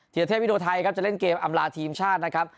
ทีละเทพวิโดไทยครับจะเล่นเกมอำลาทีมชาตินะครับ